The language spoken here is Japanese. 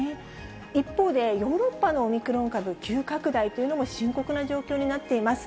一方で、ヨーロッパのオミクロン株急拡大というのも深刻な状況になっています。